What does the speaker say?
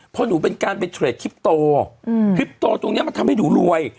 เพราะหนูเป็นการไปเทรดคลิปโตคลิปโตตรงนี้มันทำให้หนูรวย